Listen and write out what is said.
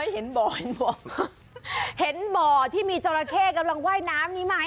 เห็นบ่อที่มีจราเข้กำลังว่ายน้ำนี้ไหมอ่อ